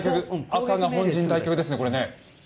赤が本陣退却ですねこれね。